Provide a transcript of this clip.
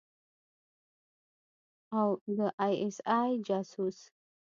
او د آى اس آى جاسوس.